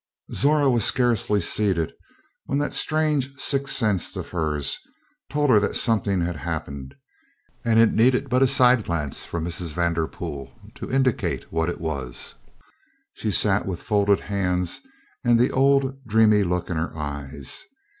Zora was scarcely seated when that strange sixth sense of hers told her that something had happened, and it needed but a side glance from Mrs. Vanderpool to indicate what it was. She sat with folded hands and the old dreamy look in her eyes.